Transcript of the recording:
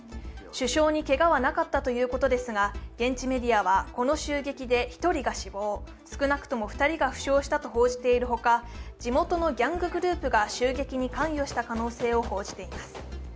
首相にけがはなかったということですが、現地メディアはこの襲撃で１人が死亡、少なくとも２人が負傷したと報じているほか、地元のギャンググループが襲撃に関与した可能性を報じています。